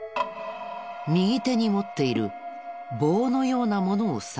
右手に持っている棒のようなものを差し込んだ。